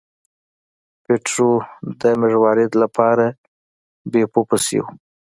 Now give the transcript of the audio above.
پیټرو د مروارید لپاره بیپو پسې و.